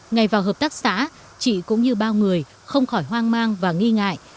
ngay vào hợp tác xã chị cũng như bao người không khỏi hoang mang và nghi ngại